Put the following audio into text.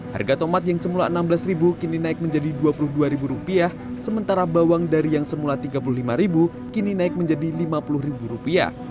harga tomat yang semula rp enam belas kini naik menjadi rp dua puluh dua sementara bawang dari yang semula rp tiga puluh lima kini naik menjadi rp lima puluh